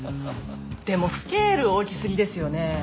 でもスケール大きすぎですよね。